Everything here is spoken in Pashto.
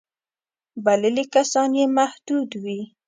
بللي کسان یې محدود وي.